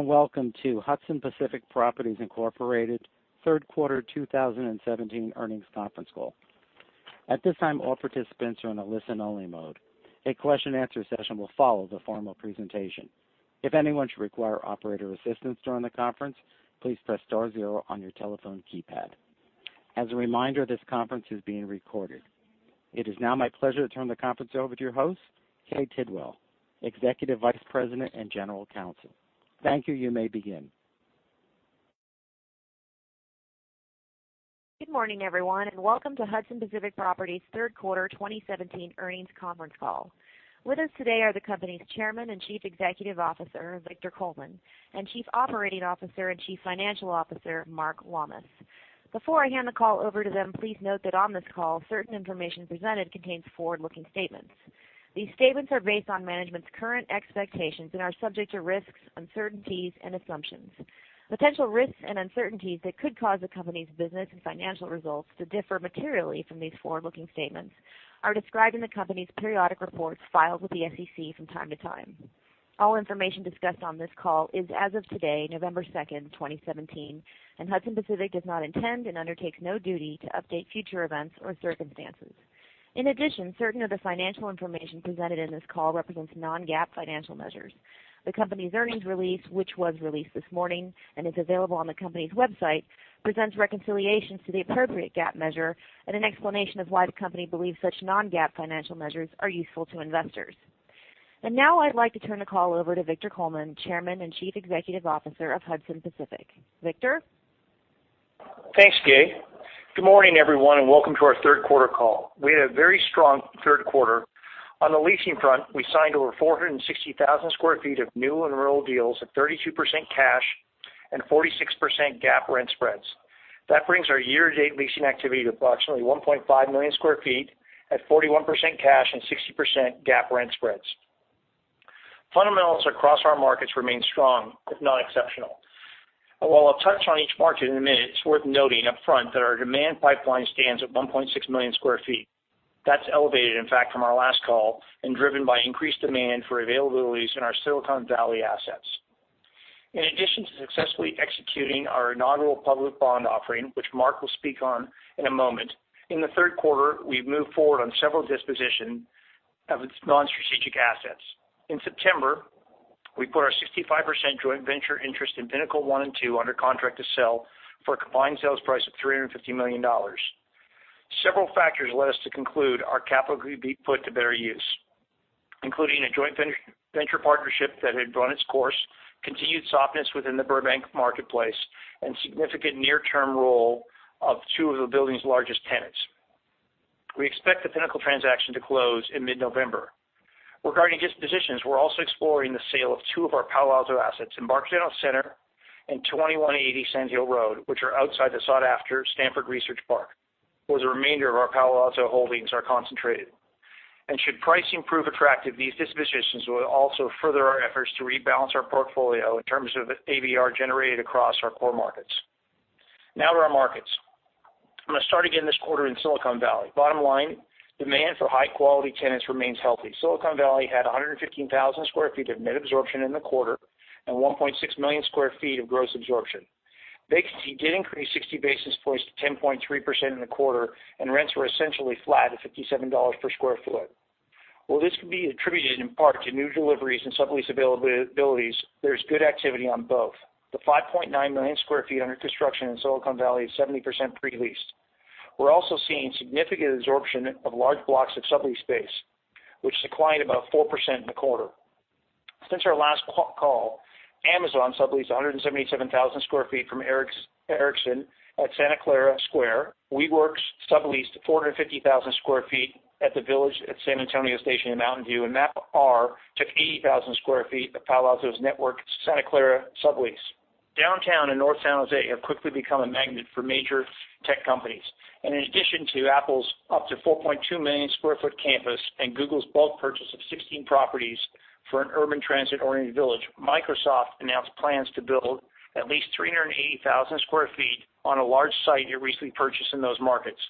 Greetings, and welcome to Hudson Pacific Properties Incorporated third quarter 2017 earnings conference call. At this time, all participants are in a listen-only mode. A question-and-answer session will follow the formal presentation. If anyone should require operator assistance during the conference, please press star zero on your telephone keypad. As a reminder, this conference is being recorded. It is now my pleasure to turn the conference over to your host, Kay Tidwell, Executive Vice President and General Counsel. Thank you. You may begin. Good morning, everyone, and welcome to Hudson Pacific Properties' third quarter 2017 earnings conference call. With us today are the company's Chairman and Chief Executive Officer, Victor Coleman, and Chief Operating Officer and Chief Financial Officer, Mark Lammas. Before I hand the call over to them, please note that on this call, certain information presented contains forward-looking statements. These statements are based on management's current expectations and are subject to risks, uncertainties, and assumptions. Potential risks and uncertainties that could cause the company's business and financial results to differ materially from these forward-looking statements are described in the company's periodic reports filed with the SEC from time to time. All information discussed on this call is as of today, November second, 2017. Hudson Pacific does not intend and undertakes no duty to update future events or circumstances. In addition, certain of the financial information presented in this call represents non-GAAP financial measures. The company's earnings release, which was released this morning and is available on the company's website, presents reconciliations to the appropriate GAAP measure and an explanation of why the company believes such non-GAAP financial measures are useful to investors. Now I'd like to turn the call over to Victor Coleman, Chairman and Chief Executive Officer of Hudson Pacific. Victor? Thanks, Kay. Good morning, everyone, and welcome to our third quarter call. We had a very strong third quarter. On the leasing front, we signed over 460,000 square feet of new and rolled deals at 32% cash and 46% GAAP rent spreads. That brings our year-to-date leasing activity to approximately 1.5 million square feet at 41% cash and 60% GAAP rent spreads. Fundamentals across our markets remain strong, if not exceptional. While I'll touch on each market in a minute, it's worth noting upfront that our demand pipeline stands at 1.6 million square feet. That's elevated, in fact, from our last call and driven by increased demand for availabilities in our Silicon Valley assets. In addition to successfully executing our non-call public bond offering, which Mark will speak on in a moment, in the third quarter, we've moved forward on several disposition of its non-strategic assets. In September, we put our 65% joint venture interest in The Pinnacle 1 and 2 under contract to sell for a combined sales price of $350 million. Several factors led us to conclude our capital could be put to better use, including a joint venture partnership that had run its course, continued softness within the Burbank marketplace, and significant near-term roll of two of the building's largest tenants. We expect The Pinnacle transaction to close in mid-November. Regarding dispositions, we're also exploring the sale of two of our Palo Alto assets, Embarcadero Place and 2180 Sand Hill Road, which are outside the sought-after Stanford Research Park, where the remainder of our Palo Alto holdings are concentrated. Should pricing prove attractive, these dispositions will also further our efforts to rebalance our portfolio in terms of the AVR generated across our core markets. Now to our markets. I'm going to start again this quarter in Silicon Valley. Bottom line, demand for high-quality tenants remains healthy. Silicon Valley had 115,000 sq ft of net absorption in the quarter and 1.6 million sq ft of gross absorption. Vacancy did increase 60 basis points to 10.3% in the quarter, and rents were essentially flat at $57 per sq ft. While this could be attributed in part to new deliveries and sublease availabilities, there's good activity on both. The 5.9 million sq ft under construction in Silicon Valley is 70% pre-leased. We're also seeing significant absorption of large blocks of subleased space, which declined about 4% in the quarter. Since our last call, Amazon subleased 177,000 sq ft from Ericsson at Santa Clara Square. WeWork subleased 450,000 sq ft at The Village at San Antonio Station in Mountain View, and MapR took 80,000 sq ft of Palo Alto Networks, Santa Clara sublease. Downtown and North San Jose have quickly become a magnet for major tech companies. In addition to Apple's up to 4.2 million sq ft campus and Google's bulk purchase of 16 properties for an urban transit-oriented village, Microsoft announced plans to build at least 380,000 sq ft on a large site it recently purchased in those markets.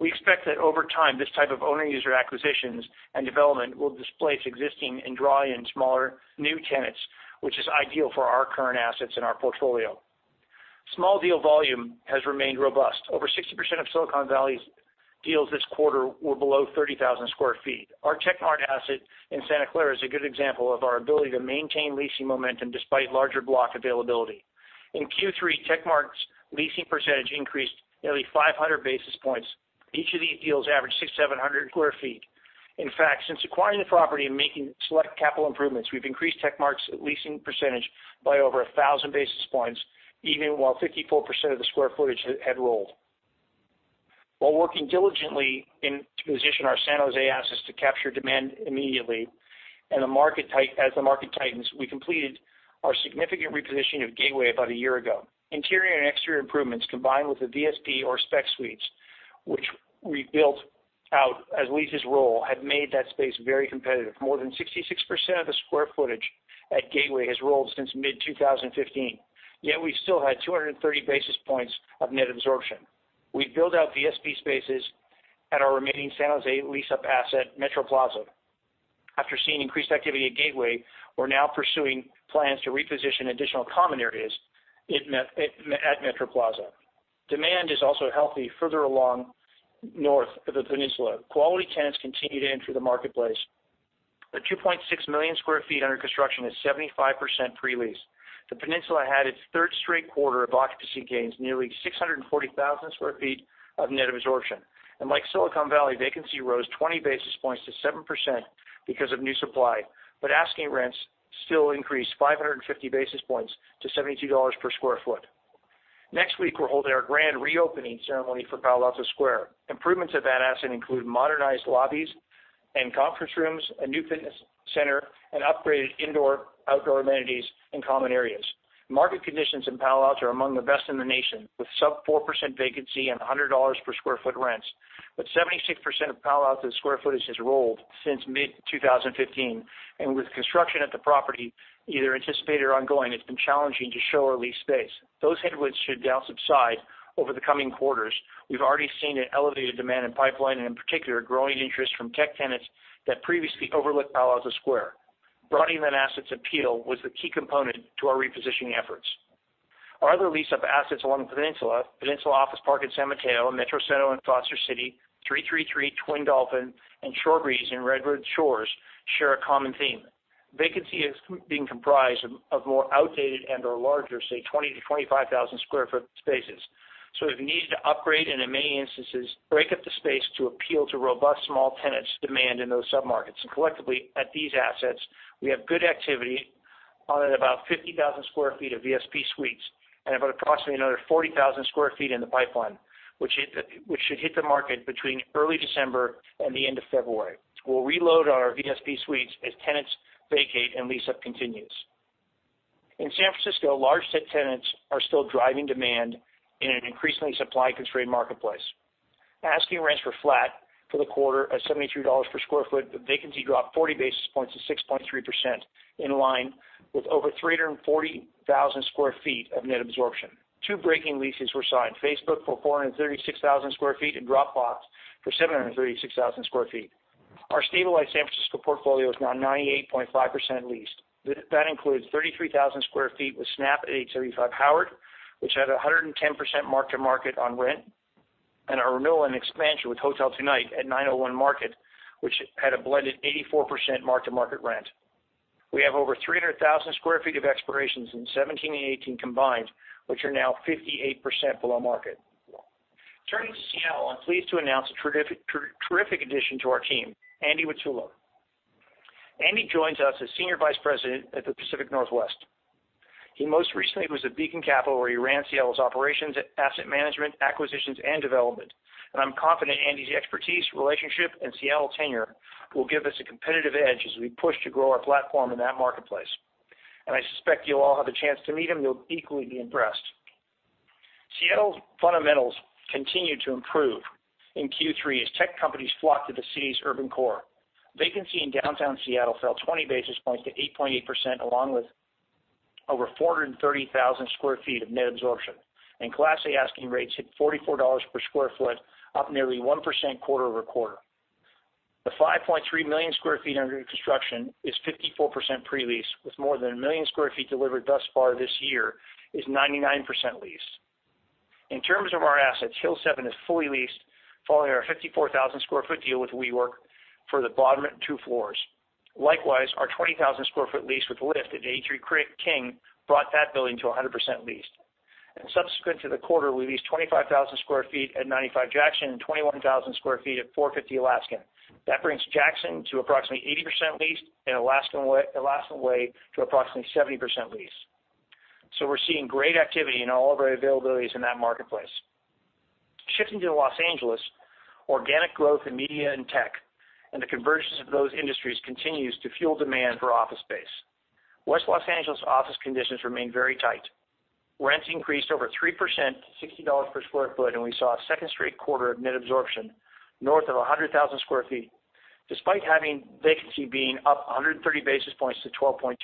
We expect that over time, this type of owner user acquisitions and development will displace existing and draw in smaller new tenants, which is ideal for our current assets in our portfolio. Small deal volume has remained robust. Over 60% of Silicon Valley's deals this quarter were below 30,000 sq ft. Our Techmart asset in Santa Clara is a good example of our ability to maintain leasing momentum despite larger block availability. In Q3, Techmart's leasing percentage increased nearly 500 basis points. Each of these deals average 6,700 sq ft. In fact, since acquiring the property and making select capital improvements, we've increased Techmart's leasing percentage by over 1,000 basis points, even while 54% of the sq ft had rolled. Working diligently to position our San Jose assets to capture demand immediately as the market tightens, we completed our significant repositioning of Gateway about a year ago. Interior and exterior improvements, combined with the VSP or spec suites, which we built out as leases roll, have made that space very competitive. More than 66% of the sq ft at Gateway has rolled since mid-2015, yet we still had 230 basis points of net absorption. We build out VSP spaces at our remaining San Jose lease-up asset, Metro Plaza. After seeing increased activity at Gateway, we're now pursuing plans to reposition additional common areas at Metro Plaza. Demand is also healthy further along north of the peninsula. Quality tenants continue to enter the marketplace. The 2.6 million sq ft under construction is 75% pre-leased. Like Silicon Valley, vacancy rose 20 basis points to 7% because of new supply. Asking rents still increased 550 basis points to $72 per sq ft. Next week, we're holding our grand reopening ceremony for Palo Alto Square. Improvements at that asset include modernized lobbies and conference rooms, a new fitness center, and upgraded indoor, outdoor amenities, and common areas. Market conditions in Palo Alto are among the best in the nation, with sub 4% vacancy and $100 per sq ft rents. 76% of Palo Alto's sq ft has rolled since mid-2015. With construction at the property either anticipated or ongoing, it's been challenging to show or lease space. Those headwinds should now subside over the coming quarters. We've already seen an elevated demand in pipeline, and in particular, a growing interest from tech tenants that previously overlooked Palo Alto Square. Broadening that asset's appeal was the key component to our repositioning efforts. Our other lease-up assets along the peninsula, Peninsula Office Park in San Mateo, Metro Center in Foster City, 333 Twin Dolphin, and Shore Breeze in Redwood Shores share a common theme. Vacancy is being comprised of more outdated and/or larger, say, 20,000-25,000 sq ft spaces. There's a need to upgrade, and in many instances, break up the space to appeal to robust small tenants' demand in those sub-markets. Collectively, at these assets, we have good activity on about 50,000 sq ft of VSP suites and approximately another 40,000 sq ft in the pipeline, which should hit the market between early December and the end of February. We'll reload our VSP suites as tenants vacate and lease-up continues. In San Francisco, large tech tenants are still driving demand in an increasingly supply-constrained marketplace. Asking rents were flat for the quarter at $72 per sq ft, vacancy dropped 40 basis points to 6.3%, in line with over 340,000 sq ft of net absorption. Two breaking leases were signed, Facebook for 436,000 sq ft and Dropbox for 736,000 sq ft. Our stabilized San Francisco portfolio is now 98.5% leased. That includes 33,000 square feet with Snap at 875 Howard, which had 110% mark-to-market on rent, and our renewal and expansion with HotelTonight at 901 Market, which had a blended 84% mark-to-market rent. We have over 300,000 square feet of expirations in 2017 and 2018 combined, which are now 58% below market. Turning to Seattle, I'm pleased to announce a terrific addition to our team, Andy Wattula. Andy joins us as Senior Vice President, Pacific Northwest. He most recently was at Beacon Capital, where he ran Seattle's operations, asset management, acquisitions, and development. I'm confident Andy's expertise, relationship, and Seattle tenure will give us a competitive edge as we push to grow our platform in that marketplace. I suspect you'll all have a chance to meet him. You'll equally be impressed. Seattle's fundamentals continued to improve in Q3 as tech companies flock to the city's urban core. Vacancy in downtown Seattle fell 20 basis points to 8.8%, along with over 430,000 square feet of net absorption. Class A asking rates hit $44 per square foot, up nearly 1% quarter-over-quarter. The 5.3 million square feet under construction is 54% pre-leased, with more than 1 million square feet delivered thus far this year is 99% leased. In terms of our assets, Hill7 is fully leased following our 54,000 square foot deal with WeWork for the bottom 2 floors. Likewise, our 20,000 square foot lease with Lyft at 83 King brought that building to 100% leased. Subsequent to the quarter, we leased 25,000 square feet at 95 Jackson and 21,000 square feet at 450 Alaskan. That brings Jackson to approximately 80% leased and Alaskan Way to approximately 70% leased. We're seeing great activity in all of our availabilities in that marketplace. Shifting to Los Angeles, organic growth in media and tech and the convergence of those industries continues to fuel demand for office space. West Los Angeles office conditions remain very tight. Rents increased over 3% to $60 per square foot, and we saw a second straight quarter of net absorption north of 100,000 square feet, despite having vacancy being up 130 basis points to 12.2%.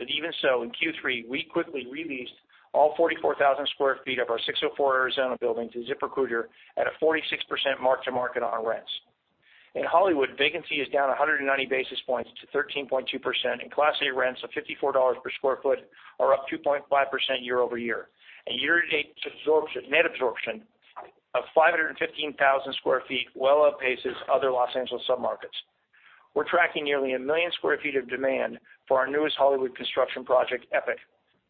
Even so, in Q3, we quickly re-leased all 44,000 square feet of our 604 Arizona building to ZipRecruiter at a 46% mark-to-market on our rents. In Hollywood, vacancy is down 190 basis points to 13.2%, and class A rents of $54 per square foot are up 2.5% year-over-year. Year-to-date net absorption of 515,000 square feet well outpaces other Los Angeles sub-markets. We're tracking nearly 1 million square feet of demand for our newest Hollywood construction project, Epic.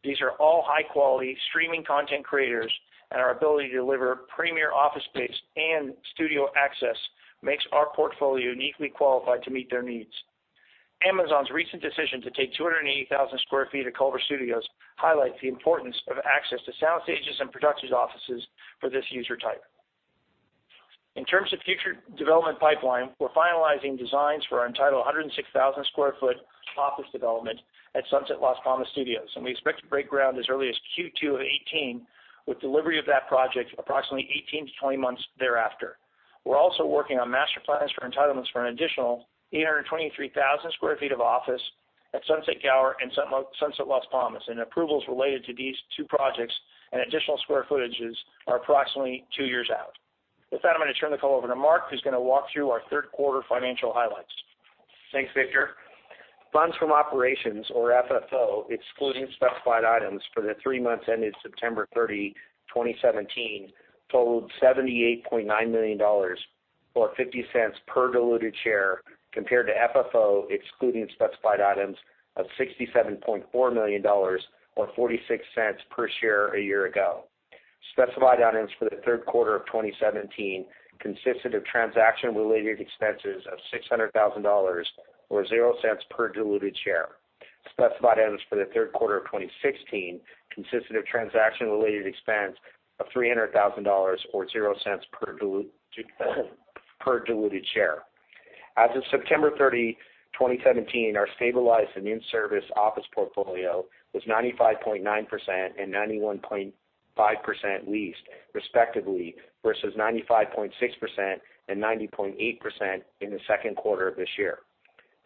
These are all high-quality streaming content creators, and our ability to deliver premier office space and studio access makes our portfolio uniquely qualified to meet their needs. Amazon's recent decision to take 280,000 square feet at Culver Studios highlights the importance of access to sound stages and production offices for this user type. In terms of future development pipeline, we're finalizing designs for our entitled 106,000 square foot office development at Sunset Las Palmas Studios, and we expect to break ground as early as Q2 of 2018, with delivery of that project approximately 18-20 months thereafter. We're also working on master plans for entitlements for an additional 823,000 square feet of office at Sunset Gower and Sunset Las Palmas, and approvals related to these two projects and additional square footages are approximately two years out. I'm going to turn the call over to Mark, who's going to walk through our third quarter financial highlights. Thanks, Victor. Funds from operations or FFO, excluding specified items for the three months ending September 30, 2017, totaled $78.9 million, or $0.50 per diluted share compared to FFO, excluding specified items of $67.4 million or $0.46 per share a year ago. Specified items for the third quarter of 2017 consisted of transaction-related expenses of $600,000, or $0.00 per diluted share. Specified items for the third quarter of 2016 consisted of transaction-related expense of $300,000, or $0.00 per diluted share. As of September 30, 2017, our stabilized and in-service office portfolio was 95.9% and 91.5% leased respectively, versus 95.6% and 90.8% in the second quarter of this year.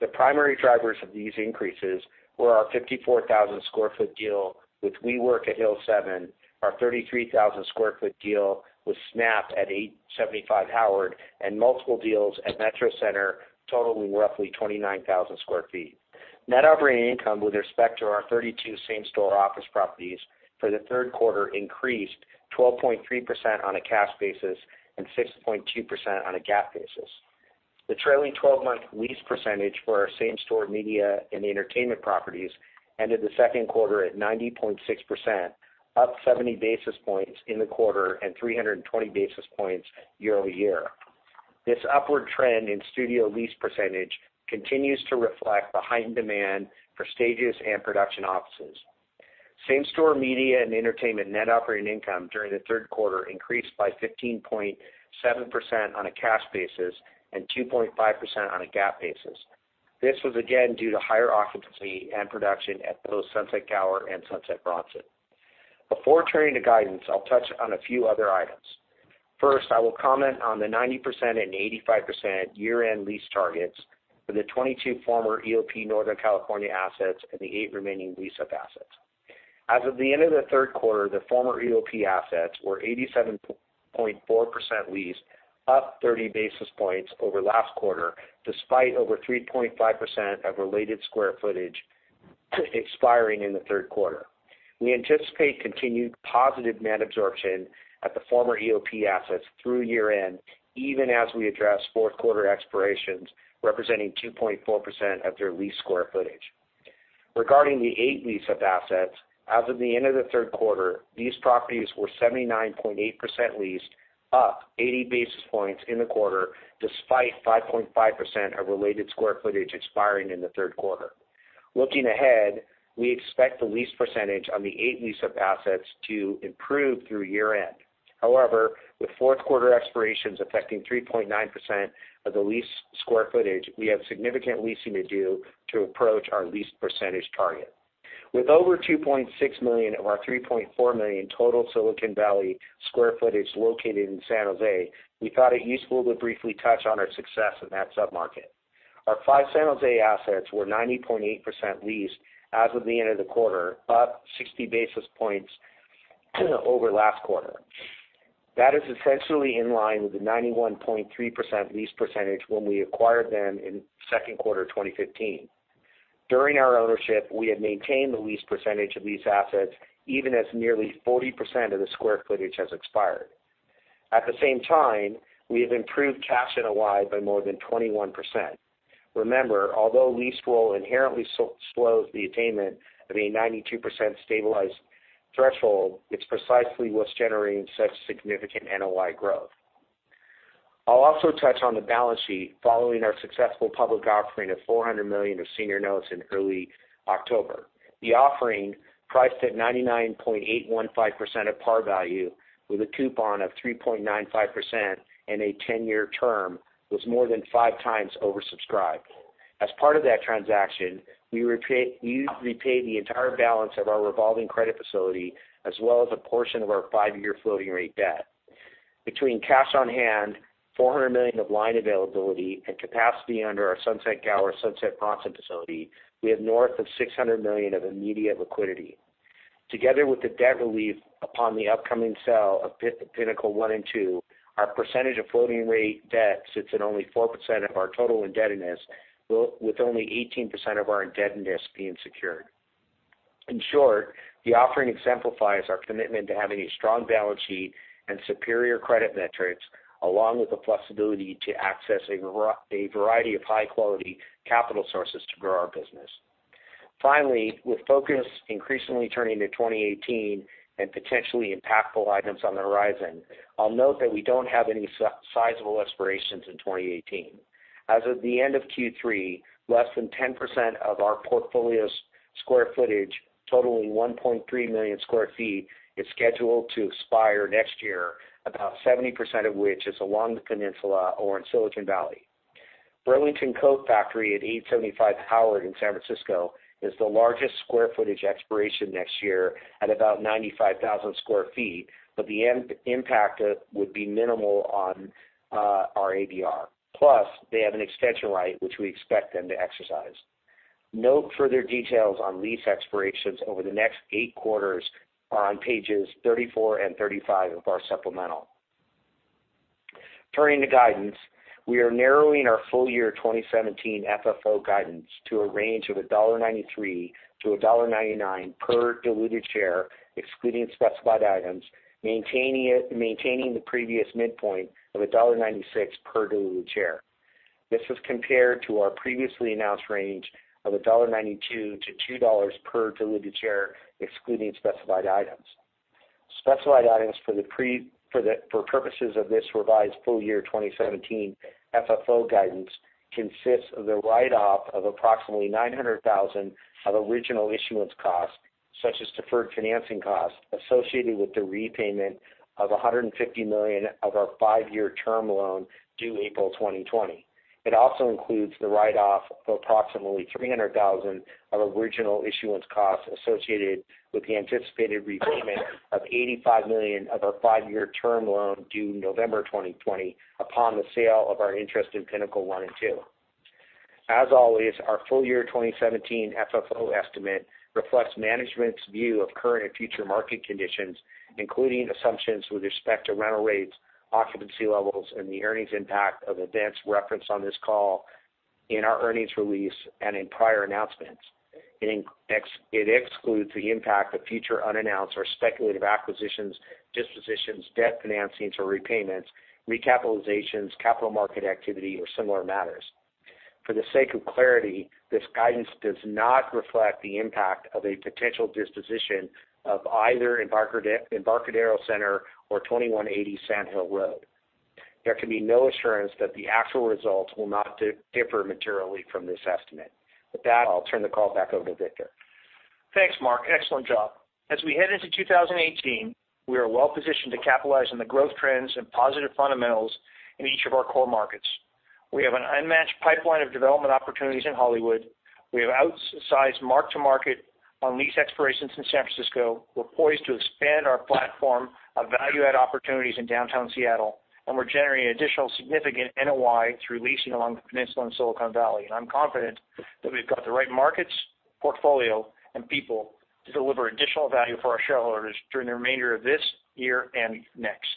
The primary drivers of these increases were our 54,000 square foot deal, which we work at Hill7, our 33,000 square foot deal with Snap at 875 Howard, and multiple deals at Metro Center totaling roughly 29,000 square feet. Net operating income with respect to our 32 same-store office properties for the third quarter increased 12.3% on a cash basis and 6.2% on a GAAP basis. The trailing 12-month lease percentage for our same-store media and entertainment properties ended the second quarter at 90.6%, up 70 basis points in the quarter and 320 basis points year-over-year. This upward trend in studio lease percentage continues to reflect the heightened demand for stages and production offices. Same-store media and entertainment net operating income during the third quarter increased by 15.7% on a cash basis and 2.5% on a GAAP basis. This was again due to higher occupancy and production at both Sunset Gower and Sunset Bronson. Before turning to guidance, I'll touch on a few other items. First, I will comment on the 90% and 85% year-end lease targets for the 22 former EOP Northern California assets and the eight remaining lease-up assets. As of the end of the third quarter, the former EOP assets were 87.4% leased, up 30 basis points over last quarter, despite over 3.5% of related square footage expiring in the third quarter. We anticipate continued positive net absorption at the former EOP assets through year-end, even as we address fourth quarter expirations representing 2.4% of their leased square footage. Regarding the eight lease-up assets, as of the end of the third quarter, these properties were 79.8% leased, up 80 basis points in the quarter, despite 5.5% of related square footage expiring in the third quarter. Looking ahead, we expect the lease percentage on the eight lease-up assets to improve through year-end. However, with fourth quarter expirations affecting 3.9% of the leased square footage, we have significant leasing to do to approach our lease percentage target. With over $2.6 million of our $3.4 million total Silicon Valley square footage located in San Jose, we thought it useful to briefly touch on our success in that sub-market. Our five San Jose assets were 90.8% leased as of the end of the quarter, up 60 basis points over last quarter. That is essentially in line with the 91.3% lease percentage when we acquired them in the second quarter of 2015. During our ownership, we have maintained the lease percentage of these assets even as nearly 40% of the square footage has expired. At the same time, we have improved cash NOI by more than 21%. Remember, although lease roll inherently slows the attainment of a 92% stabilized threshold, it's precisely what's generating such significant NOI growth. I'll also touch on the balance sheet following our successful public offering of $400 million of senior notes in early October. The offering, priced at 99.815% at par value with a coupon of 3.95% and a 10-year term, was more than five times oversubscribed. As part of that transaction, we repaid the entire balance of our revolving credit facility, as well as a portion of our five-year floating rate debt. Between cash on hand, $400 million of line availability and capacity under our Sunset Gower, Sunset Bronson facility, we have north of $600 million of immediate liquidity. Together with the debt relief upon the upcoming sale of Pinnacle One and Two, our percentage of floating rate debt sits at only 4% of our total indebtedness, with only 18% of our indebtedness being secured. In short, the offering exemplifies our commitment to having a strong balance sheet and superior credit metrics, along with the flexibility to access a variety of high-quality capital sources to grow our business. Finally, with focus increasingly turning to 2018 and potentially impactful items on the horizon, I'll note that we don't have any sizable expirations in 2018. As of the end of Q3, less than 10% of our portfolio's square footage totaling 1.3 million sq ft, is scheduled to expire next year, about 70% of which is along the Peninsula or in Silicon Valley. Burlington Coat Factory at 875 Howard in San Francisco is the largest square footage expiration next year at about 95,000 sq ft, but the impact would be minimal on our ADR. Plus, they have an extension right, which we expect them to exercise. Note further details on lease expirations over the next eight quarters are on pages 34 and 35 of our supplemental. Turning to guidance, we are narrowing our full-year 2017 FFO guidance to a range of $1.93-$1.99 per diluted share, excluding specified items, maintaining the previous midpoint of $1.96 per diluted share. This was compared to our previously announced range of $1.92-$2 per diluted share, excluding specified items. Specified items for purposes of this revised full-year 2017 FFO guidance consists of the write-off of approximately $900,000 of original issuance costs, such as deferred financing costs associated with the repayment of $150 million of our five-year term loan due April 2020. It also includes the write-off of approximately $300,000 of original issuance costs associated with the anticipated repayment of $85 million of our five-year term loan due November 2020 upon the sale of our interest in Pinnacle One and Two. As always, our full-year 2017 FFO estimate reflects management's view of current and future market conditions, including assumptions with respect to rental rates, occupancy levels, and the earnings impact of events referenced on this call in our earnings release and in prior announcements. It excludes the impact of future unannounced or speculative acquisitions, dispositions, debt financings or repayments, recapitalizations, capital market activity, or similar matters. For the sake of clarity, this guidance does not reflect the impact of a potential disposition of either Embarcadero Place or 2180 Sand Hill Road. There can be no assurance that the actual results will not differ materially from this estimate. With that, I'll turn the call back over to Victor. Thanks, Mark. Excellent job. As we head into 2018, we are well-positioned to capitalize on the growth trends and positive fundamentals in each of our core markets. We have an unmatched pipeline of development opportunities in Hollywood, we have outsized mark-to-market on lease expirations in San Francisco. We're poised to expand our platform of value-add opportunities in downtown Seattle, and we're generating additional significant NOI through leasing along the peninsula in Silicon Valley. I'm confident that we've got the right markets, portfolio, and people to deliver additional value for our shareholders during the remainder of this year and next.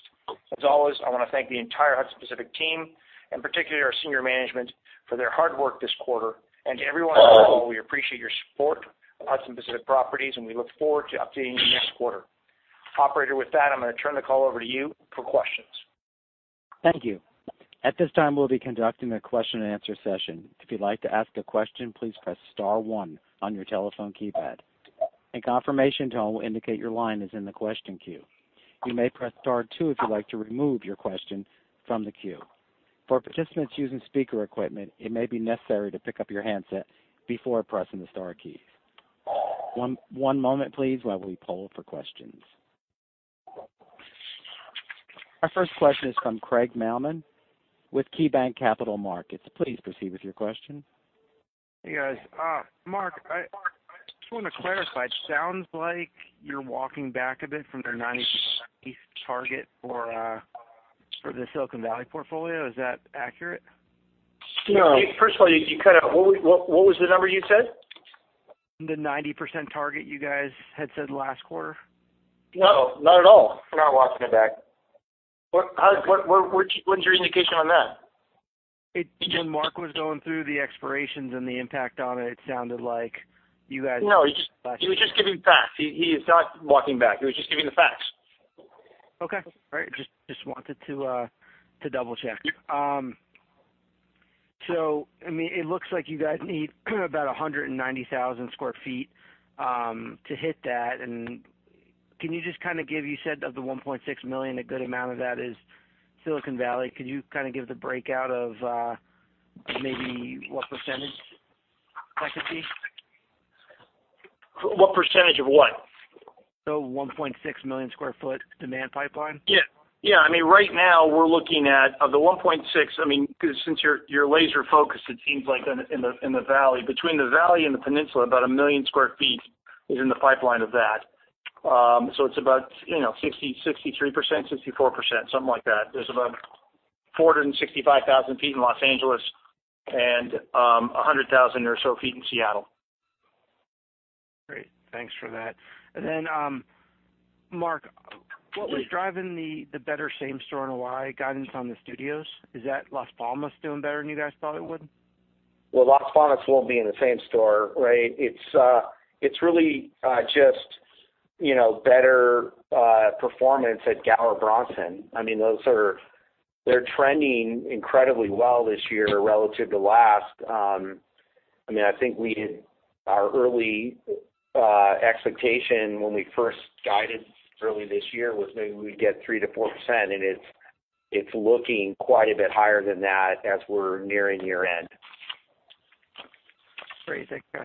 As always, I want to thank the entire Hudson Pacific team, and particularly our senior management, for their hard work this quarter. To everyone on the call, we appreciate your support of Hudson Pacific Properties, and we look forward to updating you next quarter. Operator, with that, I'm going to turn the call over to you for questions. Thank you. At this time, we'll be conducting a question-and-answer session. If you'd like to ask a question, please press star one on your telephone keypad. A confirmation tone will indicate your line is in the question queue. You may press star two if you'd like to remove your question from the queue. For participants using speaker equipment, it may be necessary to pick up your handset before pressing the star key. One moment please while we poll for questions. Our first question is from Craig Mailman with KeyBanc Capital Markets. Please proceed with your question. Hey, guys. Mark, I just want to clarify. It sounds like you're walking back a bit from the 90% lease target for the Silicon Valley portfolio. Is that accurate? No. First of all, what was the number you said? The 90% target you guys had said last quarter. No, not at all. We're not walking it back. What's your indication on that? When Mark was going through the expirations and the impact on it sounded like you guys. No, he was just giving facts. He is not walking back. He was just giving the facts. Okay. All right. Just wanted to double-check. It looks like you guys need about 190,000 sq ft to hit that. Can you just kind of give-- you said of the 1.6 million, a good amount of that is Silicon Valley. Could you kind of give the breakout of maybe what percentage that could be? What percentage of what? The 1.6 million sq ft demand pipeline. Yeah. Right now we're looking at, of the 1.6, since you're laser-focused, it seems like in the Valley. Between the Valley and the Peninsula, about 1 million square feet is in the pipeline of that. It's about 63%-64%, something like that. There's about 465,000 feet in Los Angeles and 100,000 or so feet in Seattle. Great. Thanks for that. Mark, what was driving the better same-store NOI guidance on the studios? Is that Las Palmas doing better than you guys thought it would? Well, Las Palmas won't be in the same store, right? It's really just better performance at Gower Bronson. They're trending incredibly well this year relative to last. I think our early expectation when we first guided early this year was maybe we'd get 3%-4%, and it's looking quite a bit higher than that as we're nearing year-end. Great. Thank you.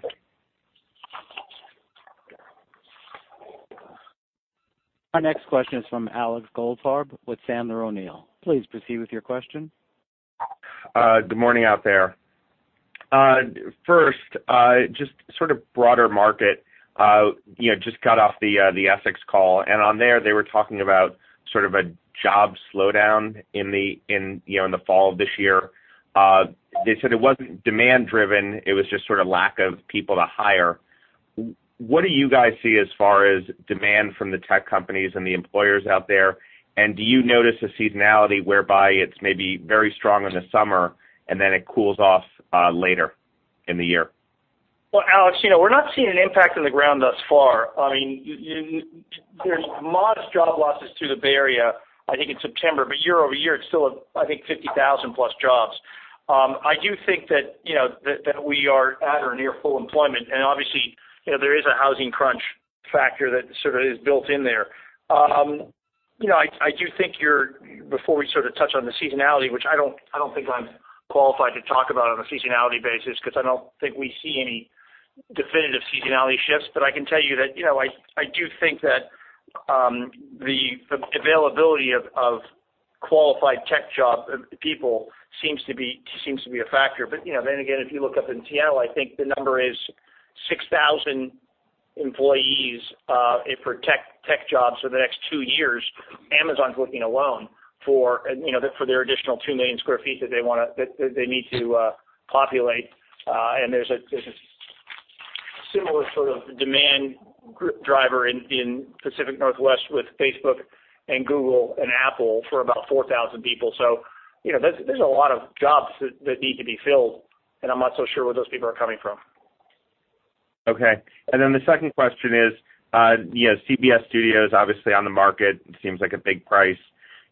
Our next question is from Alex Goldfarb with Sandler O'Neill. Please proceed with your question. Good morning out there. First, just sort of broader market. Just got off the Essex call. On there, they were talking about sort of a job slowdown in the fall of this year. They said it wasn't demand-driven. It was just sort of lack of people to hire. What do you guys see as far as demand from the tech companies and the employers out there? Do you notice a seasonality whereby it's maybe very strong in the summer then it cools off later in the year? Well, Alex, we're not seeing an impact on the ground thus far. There's modest job losses through the Bay Area, I think in September, but year-over-year, it's still, I think, 50,000+ jobs. I do think that we are at or near full employment. Obviously, there is a housing crunch factor that sort of is built in there. I do think, before we sort of touch on the seasonality, which I don't think I'm qualified to talk about on a seasonality basis, because I don't think we see any definitive seasonality shifts. I can tell you that I do think that the availability of qualified tech job people seems to be a factor. Again, if you look up in Seattle, I think the number is 6,000 employees for tech jobs for the next two years. Amazon's looking alone for their additional two million square feet that they need to populate. There's a similar sort of demand driver in Pacific Northwest with Facebook and Google and Apple for about 4,000 people. There's a lot of jobs that need to be filled. I'm not so sure where those people are coming from. Okay. The second question is, CBS Studios obviously on the market, it seems like a big price.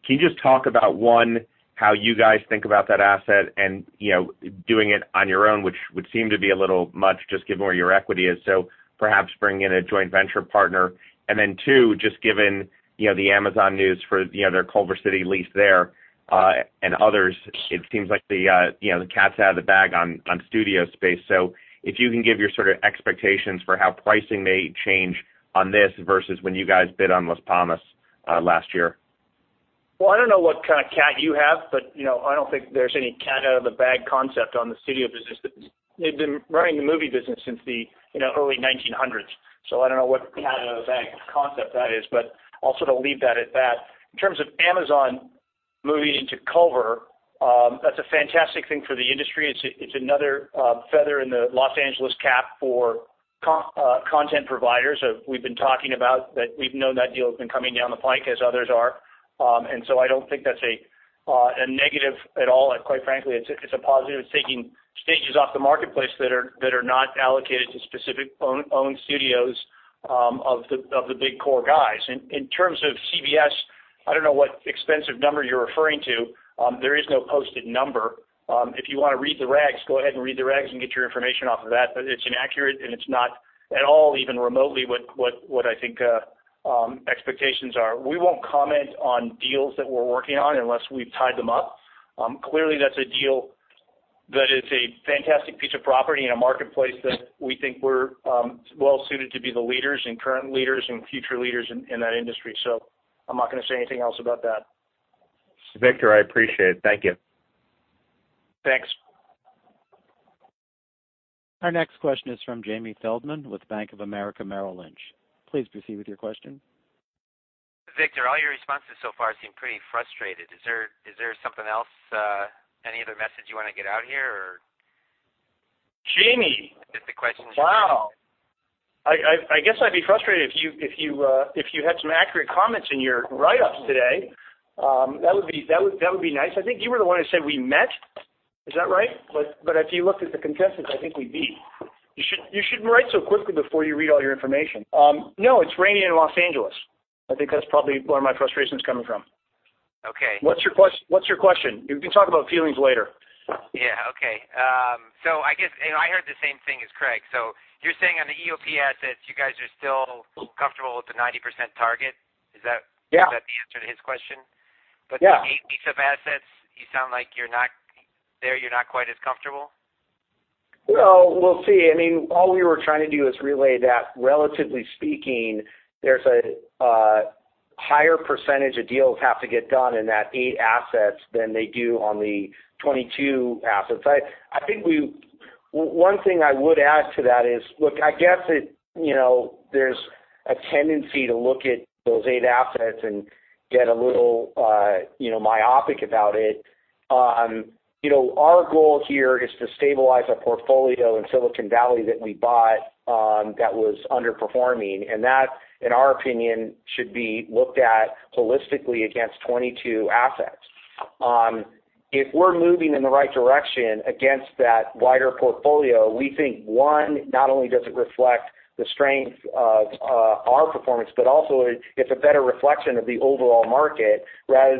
Can you just talk about, one, how you guys think about that asset and doing it on your own, which would seem to be a little much just given where your equity is, so perhaps bring in a joint venture partner. Two, just given the Amazon news for their Culver City lease there, and others, it seems like the cat's out of the bag on studio space. If you can give your sort of expectations for how pricing may change on this versus when you guys bid on Las Palmas last year. Well, I don't know what kind of cat you have, but I don't think there's any cat-out-of-the-bag concept on the studio business. They've been running the movie business since the early 1900s. I don't know what cat-out-of-the-bag concept that is, but I'll sort of leave that at that. In terms of Amazon moving into Culver, that's a fantastic thing for the industry. It's another feather in the Los Angeles cap for content providers. We've been talking about that we've known that deal's been coming down the pike as others are. I don't think that's a negative at all, and quite frankly, it's a positive. It's taking stages off the marketplace that are not allocated to specific owned studios of the big core guys. In terms of CBS, I don't know what expensive number you're referring to. There is no posted number. If you want to read the regs, go ahead and read the regs and get your information off of that. It's inaccurate, and it's not at all, even remotely, what I think expectations are. We won't comment on deals that we're working on unless we've tied them up. Clearly, that's a deal that is a fantastic piece of property in a marketplace that we think we're well-suited to be the leaders and current leaders and future leaders in that industry. I'm not going to say anything else about that. Victor, I appreciate it. Thank you. Thanks. Our next question is from Jamie Feldman with Bank of America Merrill Lynch. Please proceed with your question. Victor, all your responses so far seem pretty frustrated. Is there something else, any other message you want to get out here? Jamie- Just a question. wow. I guess I'd be frustrated if you had some accurate comments in your write-ups today. That would be nice. I think you were the one who said we met. Is that right? If you looked at the consensus, I think we'd be. You shouldn't write so quickly before you read all your information. No, it's rainy in Los Angeles. I think that's probably where my frustration's coming from. Okay. What's your question? We can talk about feelings later. Yeah. Okay. I guess I heard the same thing as Craig. You're saying on the EOP assets, you guys are still comfortable with the 90% target? Is that? Yeah the answer to his question? Yeah. The EOP assets, you sound like there, you're not quite as comfortable? Well, we'll see. All we were trying to do is relay that relatively speaking, there's a higher % of deals have to get done in that eight assets than they do on the 22 assets. One thing I would add to that is, look, I guess there's a tendency to look at those eight assets and get a little myopic about it. Our goal here is to stabilize a portfolio in Silicon Valley that we bought that was underperforming, and that, in our opinion, should be looked at holistically against 22 assets. If we're moving in the right direction against that wider portfolio, we think, one, not only does it reflect the strength of our performance, but also it's a better reflection of the overall market rather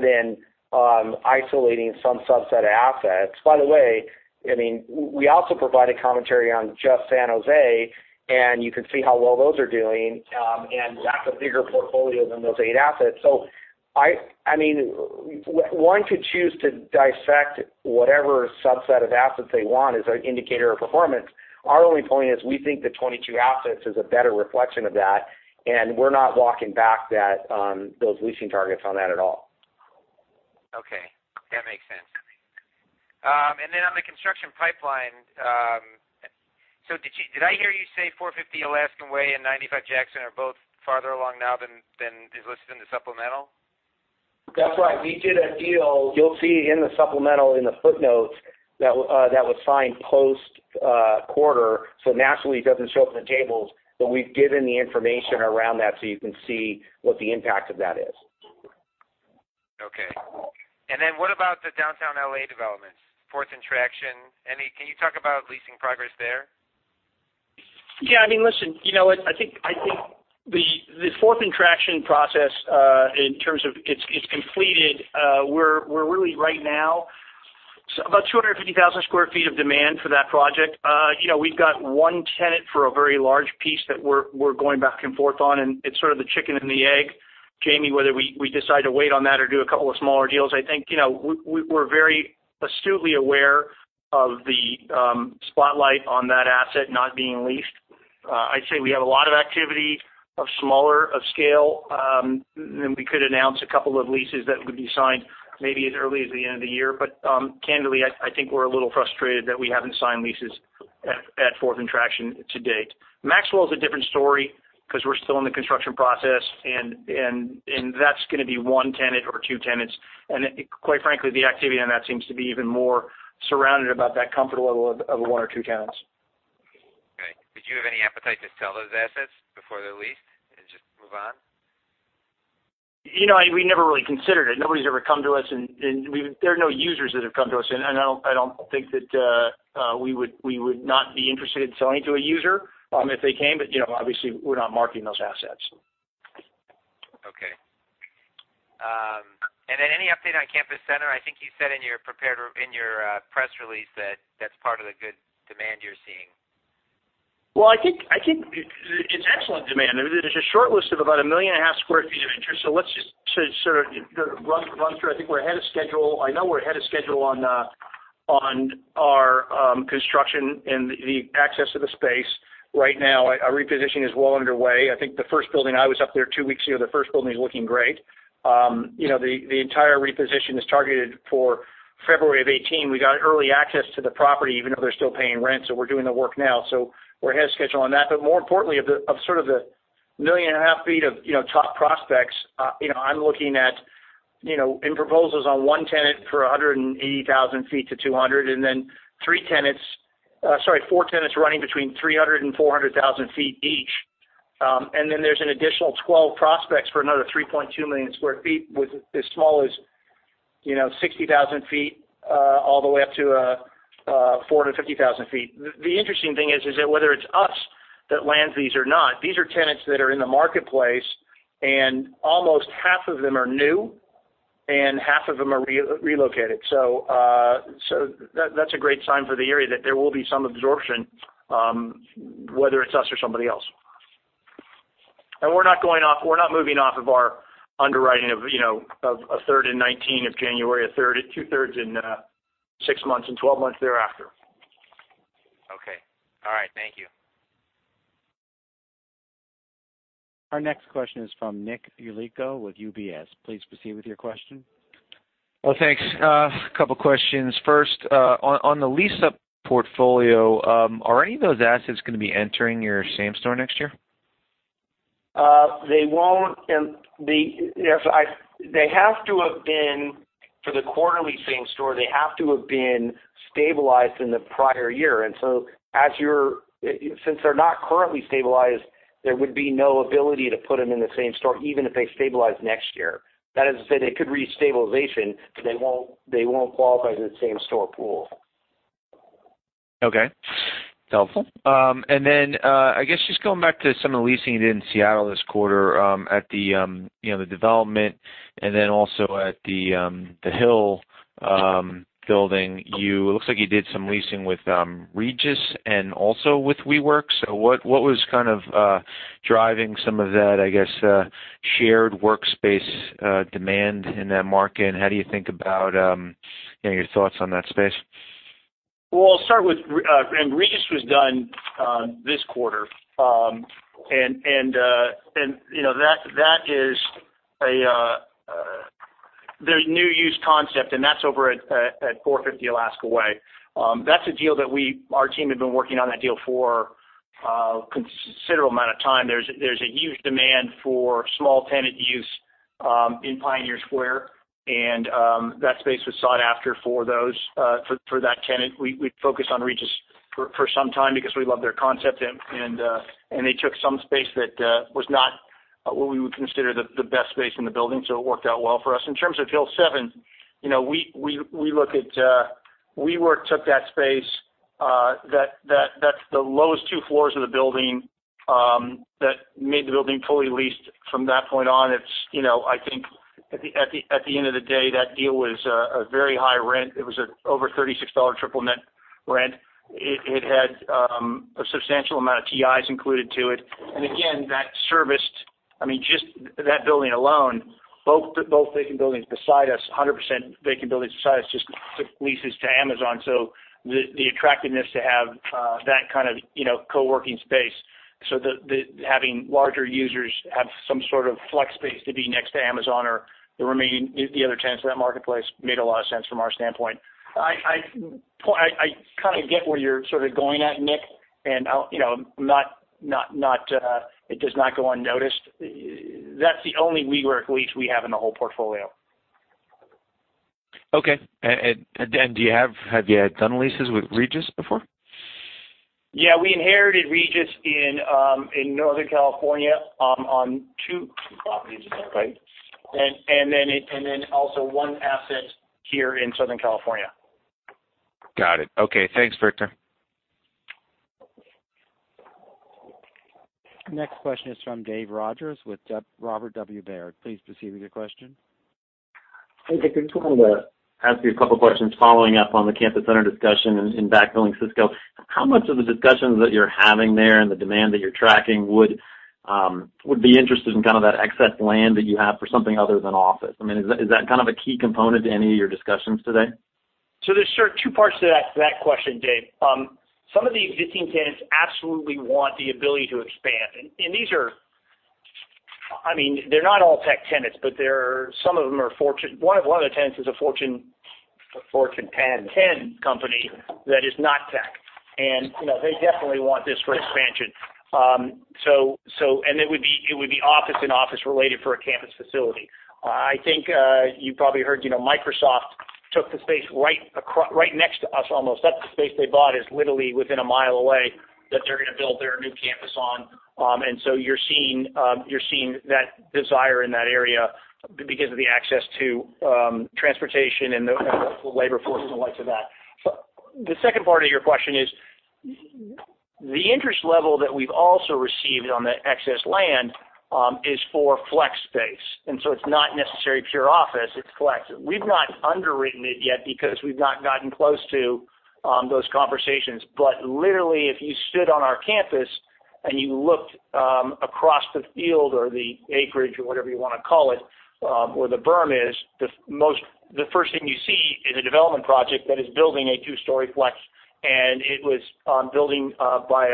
than isolating some subset of assets. By the way, we also provided commentary on just San Jose, and you can see how well those are doing. That's a bigger portfolio than those eight assets. One could choose to dissect whatever subset of assets they want as an indicator of performance. Our only point is we think the 22 assets is a better reflection of that, and we're not walking back those leasing targets on that at all. Okay. That makes sense. Then on the construction pipeline, did I hear you say 450 Alaskan Way and 95 Jackson are both farther along now than is listed in the supplemental? That's right. We did a deal, you'll see in the supplemental, in the footnotes, that was signed post-quarter. Naturally, it doesn't show up in the tables. We've given the information around that you can see what the impact of that is. Okay. What about the downtown L.A. developments, Fourth and Traction? Can you talk about leasing progress there? Yeah. Listen, I think the Fourth and Traction process, in terms of it's completed. We're really, right now, about 250,000 square feet of demand for that project. We've got one tenant for a very large piece that we're going back and forth on, and it's sort of the chicken and the egg, Jamie, whether we decide to wait on that or do a couple of smaller deals. I think we're very astutely aware of the spotlight on that asset not being leased. I'd say we have a lot of activity of smaller of scale. We could announce a couple of leases that would be signed maybe as early as the end of the year. Candidly, I think we're a little frustrated that we haven't signed leases at Fourth and Traction to date. Maxwell's a different story because we're still in the construction process, and that's going to be one tenant or two tenants. Quite frankly, the activity on that seems to be even more surrounded about that comfort level of one or two tenants. Okay. Did you have any appetite to sell those assets before they're leased and just move on? We never really considered it. Nobody's ever come to us, there are no users that have come to us, I don't think that we would not be interested in selling to a user if they came. Obviously, we're not marketing those assets. Okay. Any update on Campus Center? I think you said in your press release that that's part of the good demand you're seeing. Well, I think it's excellent demand. There's a short list of about 1.5 million square feet of interest. Let's just sort of run through. I think we're ahead of schedule. I know we're ahead of schedule on our construction and the access to the space. Right now, our reposition is well underway. I think the first building, I was up there two weeks ago, the first building is looking great. The entire reposition is targeted for February of 2018. We got early access to the property even though they're still paying rent, so we're doing the work now. We're ahead of schedule on that. More importantly, of sort of the 1.5 million feet of top prospects, I'm looking at proposals on one tenant for 180,000 feet to 200,000 feet, and four tenants running between 300,000 feet and 400,000 feet each. There's an additional 12 prospects for another 3.2 million square feet, with as small as 60,000 feet all the way up to 450,000 feet. The interesting thing is that whether it's us that lands these or not, these are tenants that are in the marketplace, and almost half of them are new and half of them are relocated. That's a great sign for the area that there will be some absorption, whether it's us or somebody else. We're not moving off of our underwriting of a third in 2019 of January, two-thirds in six months and 12 months thereafter. Okay. All right. Thank you. Our next question is from Nick Yulico with UBS. Please proceed with your question. Well, thanks. A couple questions. First, on the lease-up portfolio, are any of those assets going to be entering your same store next year? They won't. For the quarterly same store, they have to have been stabilized in the prior year. Since they're not currently stabilized, there would be no ability to put them in the same store, even if they stabilize next year. That is to say they could reach stabilization, but they won't qualify for the same store pool. Okay. That's helpful. I guess just going back to some of the leasing you did in Seattle this quarter at the development and then also at the Hill7 building. It looks like you did some leasing with Regus and also with WeWork. What was kind of driving some of that, I guess, shared workspace demand in that market, and how do you think about your thoughts on that space? Well, I'll start with, Regus was done this quarter. There's [their Spaces concept], and that's over at 450 Alaskan Way. That's a deal that our team had been working on that deal for a considerable amount of time. There's a huge demand for small tenant use in Pioneer Square, and that space was sought after for that tenant. We focused on Regus for some time because we love their concept, and they took some space that was not what we would consider the best space in the building. It worked out well for us. In terms of Hill7, WeWork took that space. That's the lowest two floors of the building that made the building fully leased from that point on. I think at the end of the day, that deal was a very high rent. It was over $36 triple net rent. It had a substantial amount of TIs included to it. Again, that serviced, just that building alone, both vacant buildings beside us, 100% vacant buildings beside us, just took leases to Amazon. The attractiveness to have that kind of co-working space, so having larger users have some sort of flex space to be next to Amazon or the other tenants in that marketplace made a lot of sense from our standpoint. I get where you're sort of going at, Nick. It does not go unnoticed. That's the only WeWork lease we have in the whole portfolio. Okay. Have you done leases with Regus before? Yeah. We inherited Regus in Northern California on two properties, is that right? Then also one asset here in Southern California. Got it. Okay. Thanks, Victor. Next question is from Dave Rodgers with Robert W. Baird. Please proceed with your question. Hey, Victor. Just wanted to ask you a couple questions following up on the campus center discussion in Backfilling Cisco. How much of the discussions that you're having there and the demand that you're tracking would be interested in kind of that excess land that you have for something other than office? Is that kind of a key component to any of your discussions today? There's two parts to that question, Dave. Some of the existing tenants absolutely want the ability to expand. They're not all tech tenants, but one of the tenants is a Fortune- Fortune 10 10 company that is not tech. They definitely want this for expansion. It would be office and office-related for a campus facility. I think, you probably heard Microsoft took the space right next to us almost. That's the space they bought, is literally within a mile away, that they're going to build their new campus on. You're seeing that desire in that area because of the access to transportation and the labor force and the likes of that. The second part of your question is, the interest level that we've also received on the excess land is for flex space. It's not necessarily pure office, it's flex. We've not underwritten it yet because we've not gotten close to those conversations. Literally, if you stood on our campus and you looked across the field or the acreage or whatever you want to call it, where the berm is, the first thing you see is a development project that is building a two-story flex. It was building by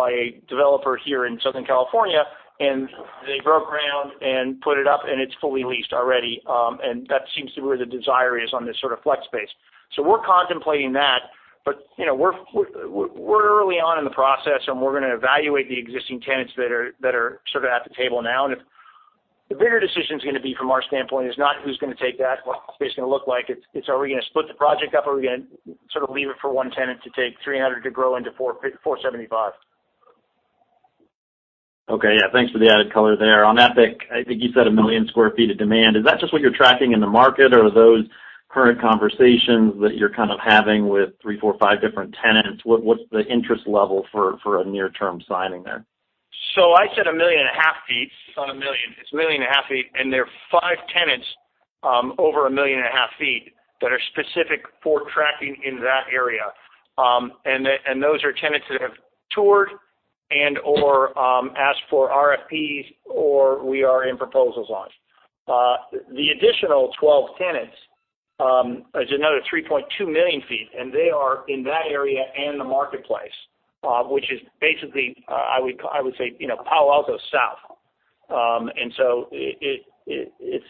a developer here in Southern California, and they broke ground and put it up, and it's fully leased already. That seems to be where the desire is on this sort of flex space. We're contemplating that. We're early on in the process, and we're going to evaluate the existing tenants that are sort of at the table now. The bigger decision's going to be from our standpoint is not who's going to take that, what the space is going to look like. Are we going to split the project up, or are we going to sort of leave it for one tenant to take 300 to grow into 475? Okay. Yeah. Thanks for the added color there. On Epic, I think you said 1 million square feet of demand. Is that just what you're tracking in the market, or are those current conversations that you're kind of having with three, four, five different tenants? What's the interest level for a near-term signing there? I said 1.5 million feet. It's not 1 million. It's 1.5 million feet, and there are five tenants over 1.5 million feet that are specific for tracking in that area. Those are tenants that have toured and/or asked for RFPs, or we are in proposals on. The additional 12 tenants is another 3.2 million feet, and they are in that area and the marketplace, which is basically, I would say, South Palo Alto. It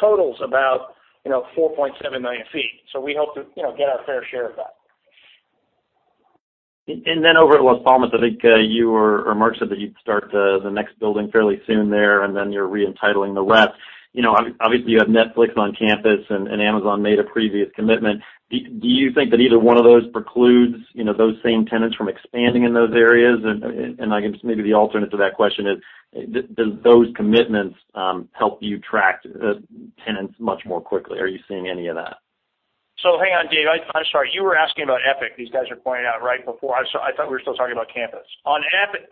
totals about 4.7 million feet. We hope to get our fair share of that. Over at Las Palmas, I think you or Murch said that you'd start the next building fairly soon there, and then you're re-entitling the rest. Obviously, you have Netflix on campus and Amazon made a previous commitment. Do you think that either one of those precludes those same tenants from expanding in those areas? I guess maybe the alternate to that question is, do those commitments help you track tenants much more quickly? Are you seeing any of that? Hang on, Dave. I'm sorry. You were asking about Epic. These guys are pointing out right before. I thought we were still talking about campus. On Epic,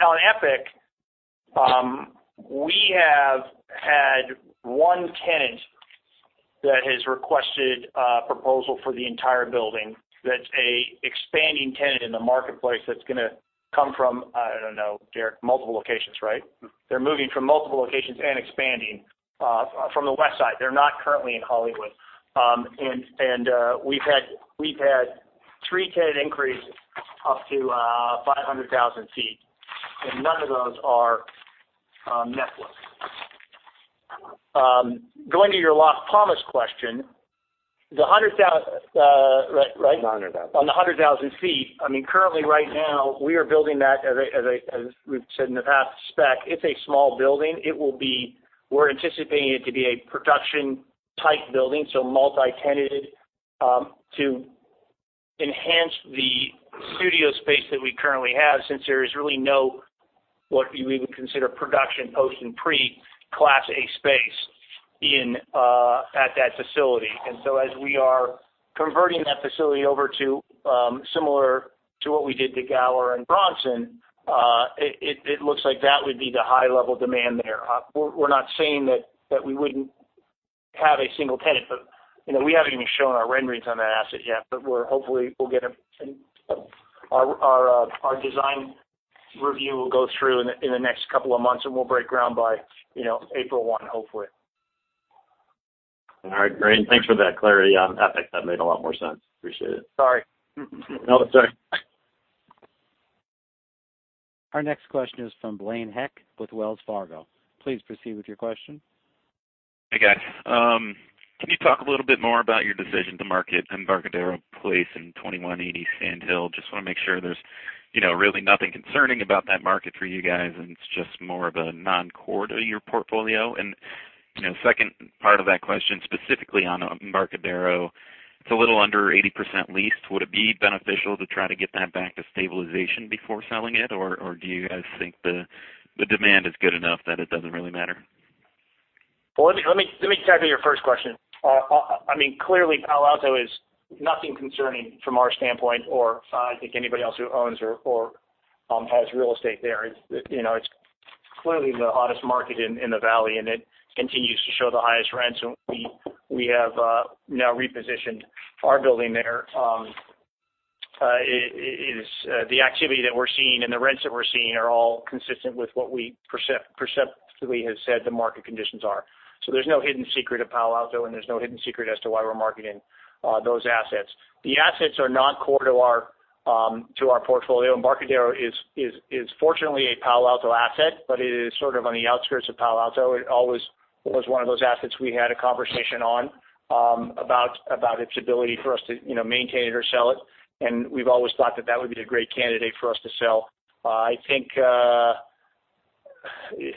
we have had one tenant that has requested a proposal for the entire building that's a expanding tenant in the marketplace that's going to come from, I don't know, Derrick, multiple locations, right? They're moving from multiple locations and expanding from the west side. They're not currently in Hollywood. We've had three tenant increase up to 500,000 feet, and none of those are Netflix. Going to your Las Palmas question, on the 100,000 feet, currently right now, we are building that, as we've said in the past, spec. It's a small building. We're anticipating it to be a production-type building, so multi-tenanted, to enhance the studio space that we currently have, since there is really no what you even consider production post and pre Class A space at that facility. As we are converting that facility over to similar to what we did to Gower and Bronson, it looks like that would be the high-level demand there. We're not saying that we wouldn't have a single tenant, but we haven't even shown our renderings on that asset yet. Hopefully our design review will go through in the next couple of months and we'll break ground by April 1 hopefully. All right, great. Thanks for that clarity on Epic. That made a lot more sense. Appreciate it. Sorry. No, it's all right. Our next question is from Blaine Heck with Wells Fargo. Please proceed with your question. Hey, guys. Can you talk a little bit more about your decision to market Embarcadero Place in 2180 Sand Hill? Just want to make sure there's really nothing concerning about that market for you guys, and it's just more of a non-core to your portfolio. Second part of that question, specifically on Embarcadero, it's a little under 80% leased. Would it be beneficial to try to get that back to stabilization before selling it, or do you guys think the demand is good enough that it doesn't really matter? Well, let me tackle your first question. Clearly Palo Alto is nothing concerning from our standpoint, or I think anybody else who owns or has real estate there. It's clearly the hottest market in the valley, and it continues to show the highest rents. We have now repositioned our building there. The activity that we're seeing and the rents that we're seeing are all consistent with what we perceptively have said the market conditions are. There's no hidden secret at Palo Alto, and there's no hidden secret as to why we're marketing those assets. The assets are non-core to our portfolio. Embarcadero is fortunately a Palo Alto asset, but it is sort of on the outskirts of Palo Alto. It always was one of those assets we had a conversation on about its ability for us to maintain it or sell it, and we've always thought that that would be a great candidate for us to sell. I think,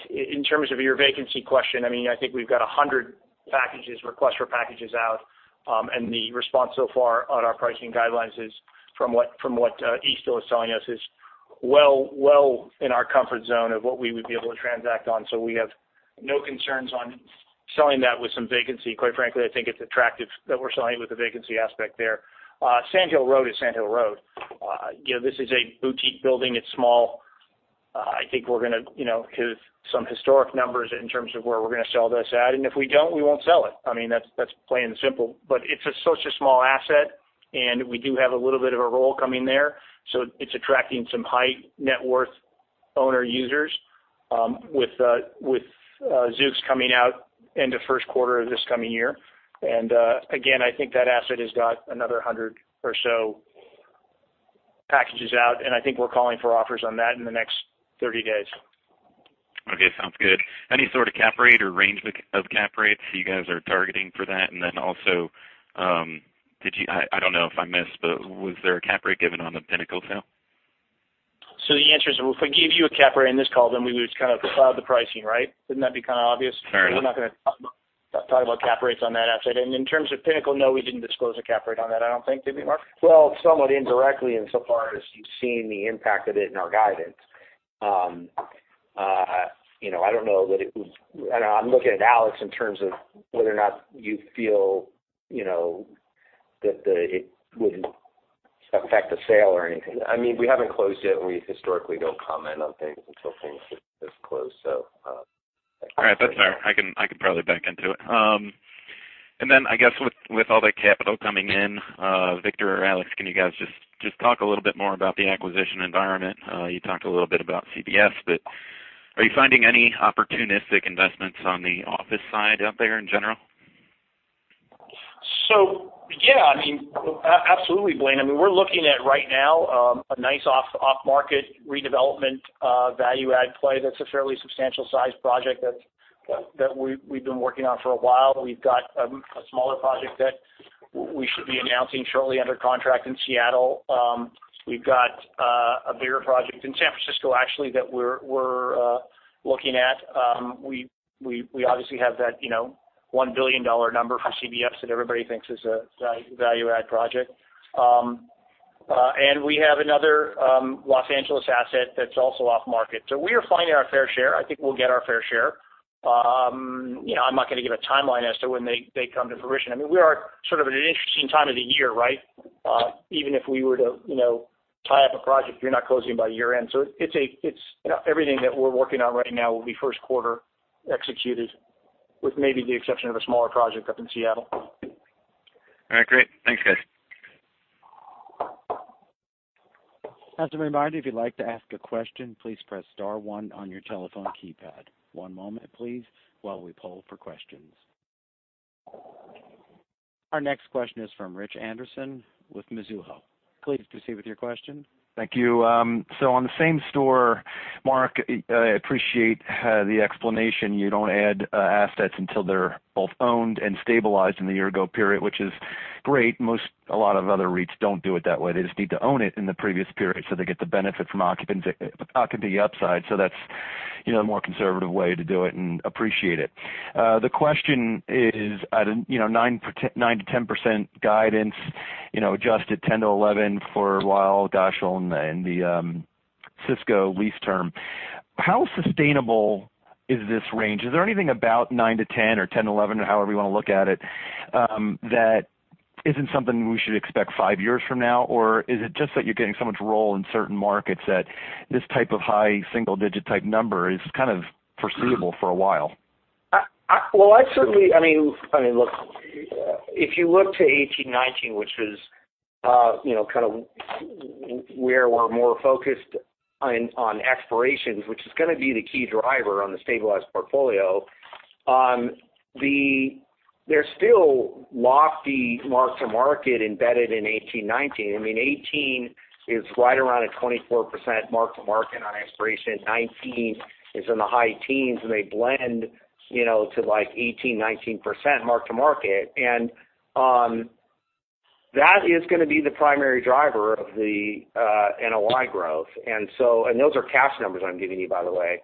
in terms of your vacancy question, I think we've got 100 packages, requests for packages out. The response so far on our pricing guidelines is from what Eastdil Secured is telling us is well in our comfort zone of what we would be able to transact on. We have no concerns on selling that with some vacancy. Quite frankly, I think it's attractive that we're selling it with the vacancy aspect there. Sand Hill Road is Sand Hill Road. This is a boutique building. It's small. I think we're going to hit some historic numbers in terms of where we're going to sell this at, and if we don't, we won't sell it. That's plain and simple. It's such a small asset, and we do have a little bit of a role coming there, so it's attracting some high net worth owner users with Zoox coming out end of first quarter of this coming year. Again, I think that asset has got another 100 or so packages out, and I think we're calling for offers on that in the next 30 days. Okay. Sounds good. Any sort of cap rate or range of cap rates you guys are targeting for that? Then also, I don't know if I missed, but was there a cap rate given on The Pinnacle sale? The answer is, well, if I gave you a cap rate on this call, then we would cloud the pricing, right? Wouldn't that be kind of obvious? Fair enough. We're not going to talk about cap rates on that asset. In terms of The Pinnacle, no, we didn't disclose a cap rate on that, I don't think. Did we, Mark? Well, somewhat indirectly, in so far as you've seen the impact of it in our guidance. I'm looking at Alex in terms of whether or not you feel that it would affect the sale or anything. We haven't closed yet, we historically don't comment on things until things get closed. All right. That's all right. I can probably back into it. I guess with all the capital coming in, Victor or Alex, can you guys just talk a little bit more about the acquisition environment? You talked a little bit about CBS, but are you finding any opportunistic investments on the office side out there in general? Yeah. Absolutely, Blaine. We're looking at right now, a nice off-market redevelopment, value add play that's a fairly substantial size project that we've been working on for a while. We've got a smaller project that we should be announcing shortly under contract in Seattle. We've got a bigger project in San Francisco, actually, that we're looking at. We obviously have that $1 billion number for CBS Studios that everybody thinks is a value add project. We have another Los Angeles asset that's also off market. We are finding our fair share. I think we'll get our fair share. I'm not going to give a timeline as to when they come to fruition. We are sort of at an interesting time of the year, right? Even if we were to tie up a project, you're not closing by year-end. Everything that we're working on right now will be first quarter executed with maybe the exception of a smaller project up in Seattle. All right, great. Thanks, guys. As a reminder, if you'd like to ask a question, please press star one on your telephone keypad. One moment please while we poll for questions. Our next question is from Richard Anderson with Mizuho. Please proceed with your question. Thank you. On the same store, Mark, I appreciate the explanation. You don't add assets until they're both owned and stabilized in the year-ago period, which is great. A lot of other REITs don't do it that way. They just need to own it in the previous period, so they get the benefit from occupancy upside. That's the more conservative way to do it and appreciate it. The question is at a 9%-10% guidance, adjusted 10%-11% for Weil, Gotshal and the Cisco lease term, how sustainable is this range? Is there anything about 9%-10% or 10%-11%, or however you want to look at it, that isn't something we should expect five years from now, or is it just that you're getting so much roll in certain markets that this type of high single-digit type number is kind of foreseeable for a while? Well, Look, if you look to 2018, 2019, which is where we're more focused on expirations, which is going to be the key driver on the stabilized portfolio. There's still lofty mark-to-market embedded in 2018, 2019. 2018 is right around a 24% mark-to-market on expiration. 2019 is in the high teens, and they blend to like 18%-19% mark-to-market. That is going to be the primary driver of the NOI growth. Those are cash numbers I'm giving you, by the way.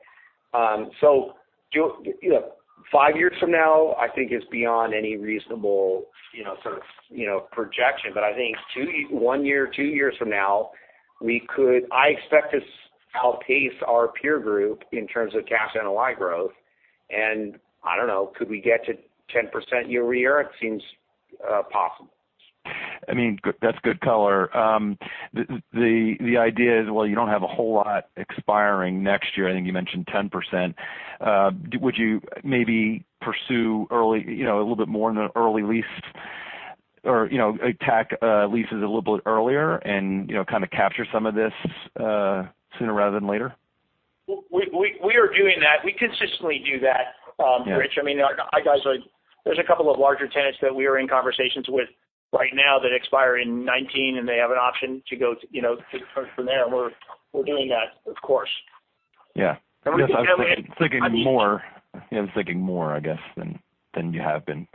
Five years from now, I think, is beyond any reasonable sort of projection. But I think one year or two years from now, I expect to outpace our peer group in terms of cash NOI growth, and I don't know. Could we get to 10% year-over-year? It seems possible. That's good color. The idea is while you don't have a whole lot expiring next year, I think you mentioned 10%. Would you maybe pursue a little bit more in the early lease or attack leases a little bit earlier and kind of capture some of this sooner rather than later? We are doing that. We consistently do that, Rich. There's a couple of larger tenants that we are in conversations with right now that expire in 2019, and they have an option to go from there. We're doing that, of course. Yeah. I was thinking more, I guess, than you have been.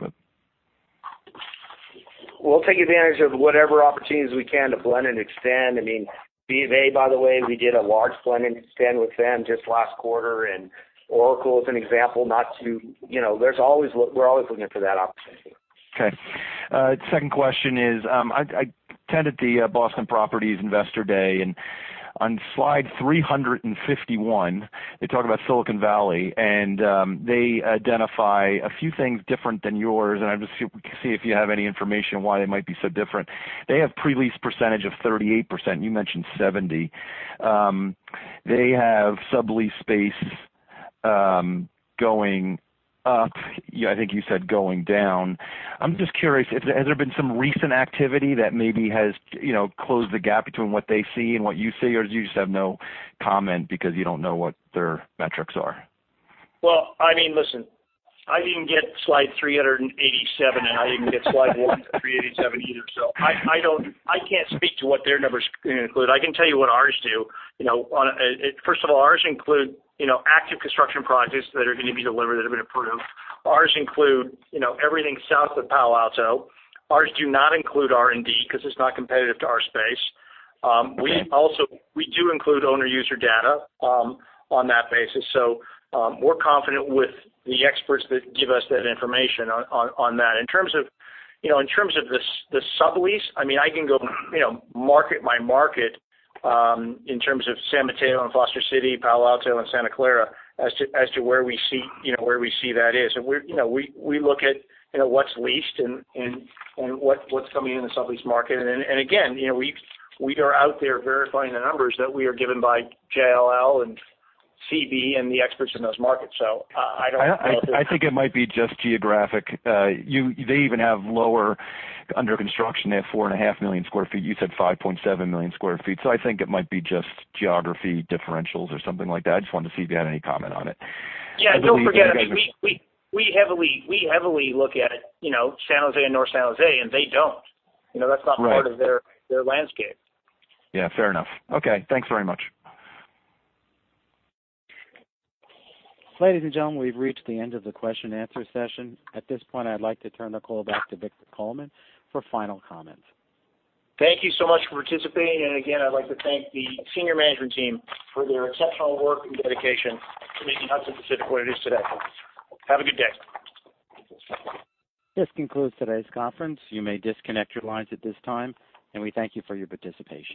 We'll take advantage of whatever opportunities we can to blend and extend. BofA, by the way, we did a large blend and extend with them just last quarter. Oracle is an example. We're always looking for that opportunity. Okay. Second question is, I attended the Boston Properties Investor Day. On slide 351, they talk about Silicon Valley. They identify a few things different than yours. I'm just see if you have any information on why they might be so different. They have pre-lease percentage of 38%. You mentioned 70%. They have sublease space going up. I think you said going down. I'm just curious, has there been some recent activity that maybe has closed the gap between what they see and what you see, or do you just have no comment because you don't know what their metrics are? Well, listen. I didn't get slide 387. I didn't get slide 1 to 387 either. I can't speak to what their numbers include. I can tell you what ours do. First of all, ours include active construction projects that are going to be delivered, that have been approved. Ours include everything south of Palo Alto. Ours do not include R&D because it's not competitive to our space. We do include owner-user data on that basis. We're confident with the experts that give us that information on that. In terms of the sublease, I can go market by market in terms of San Mateo and Foster City, Palo Alto and Santa Clara as to where we see that is. We look at what's leased and what's coming into the sublease market. Again, we are out there verifying the numbers that we are given by JLL and CBRE and the experts in those markets. I don't- I think it might be just geographic. They even have lower under construction. They have 4.5 million sq ft. You said 5.7 million sq ft. I think it might be just geography differentials or something like that. I just wanted to see if you had any comment on it. Yeah. Don't forget, we heavily look at San Jose and North San Jose. They don't. That's not part of their landscape. Yeah, fair enough. Okay, thanks very much. Ladies and gentlemen, we've reached the end of the question and answer session. At this point, I'd like to turn the call back to Victor Coleman for final comments. Thank you so much for participating. Again, I'd like to thank the senior management team for their exceptional work and dedication to making Hudson Pacific what it is today. Have a good day. This concludes today's conference. You may disconnect your lines at this time, and we thank you for your participation.